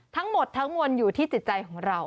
ทั้งหมดทั้งมวลอยู่ที่จิตใจของเรา